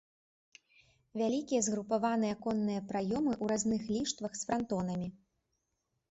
Вялікія згрупаваныя аконныя праёмы ў разных ліштвах з франтонамі.